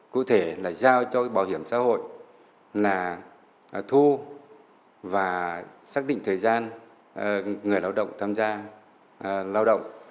cụ thể là giao cho bảo hiểm xã hội là thu và xác định thời gian người lao động tham gia lao động